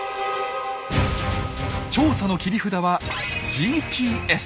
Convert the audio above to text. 調査の切り札はＧＰＳ！